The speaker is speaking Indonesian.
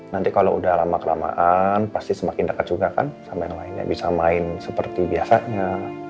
nanti kalau udah lama kelamaan pasti semakin dekat juga kan sama yang lainnya bisa main seperti biasanya